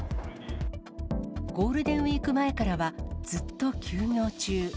ゴールデンウィーク前からは、ずっと休業中。